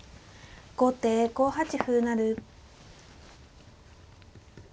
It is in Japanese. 後手５八歩成。